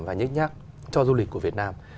và nhức nhắc cho du lịch của việt nam